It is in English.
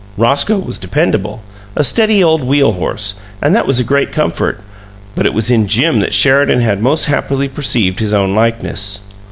Roscoe was dependable, a steady old wheel horse, and that was a great comfort; but it was in Jim that Sheridan had most happily perceived his own likeness.